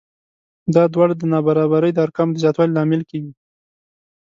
دا دواړه د نابرابرۍ د ارقامو د زیاتوالي لامل کېږي